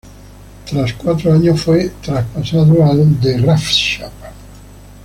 Tras cuatro años fue traspasado al De Graafschap.